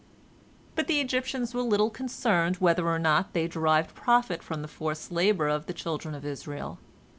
But the Egyptians were little concerned whether or not they derived profit from the forced labor of the children of Israel.